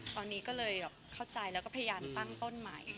ตอนนี้ก็เลยเข้าใจแล้วก็พยายามตั้งต้นใหม่